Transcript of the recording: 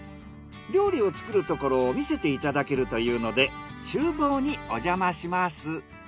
料理を作るところを見せて頂けるというので厨房におじゃまします。